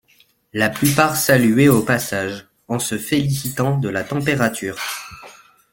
La plupart saluaient au passage, en se félicitant de la température.